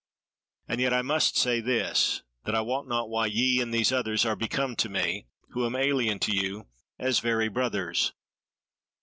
And yet I must say this, that I wot not why ye and these others are become to me, who am alien to you, as very brothers."